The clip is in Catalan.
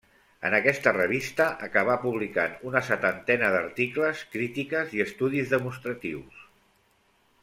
En aquesta revista acabà publicant una setantena d'articles, crítiques i estudis, demostratius.